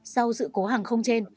sau sự cố hàng không trên